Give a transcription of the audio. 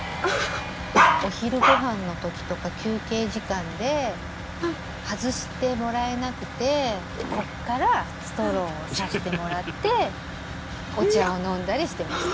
お昼ごはんの時とか休憩時間で外してもらえなくてここからストローを差してもらってお茶を飲んだりしてました。